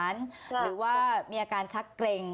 หรือว่ามีอาการชักเกร็ง